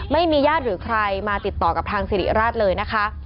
ไม่มีญาติหรือใครมาติดต่อกับทางสิริราชเลยนะคะ